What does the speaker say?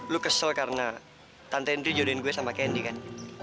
lu kesel karena tante itu jodohin gue sama kendi kan